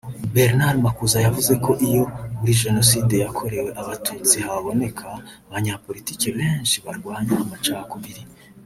Bernard Makuza yavuze ko iyo muri Jenoside yakorewe abatutsi haboneka abanyapolitiki benshi barwanya amacakubiri